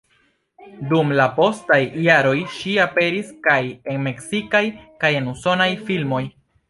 Dum la postaj jaroj ŝi aperis kaj en meksikaj kaj en usonaj filmoj.